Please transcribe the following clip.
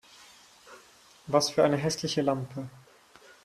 Was für eine hässliche Lampe!